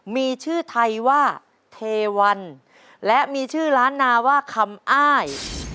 มีชื่อไทยว่าเทวันและมีชื่อร้านนาว่าคำอ้าย